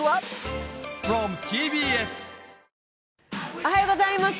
おはようございます。